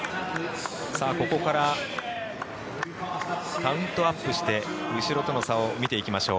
ここからカウントアップして後ろとの差を見ていきましょう。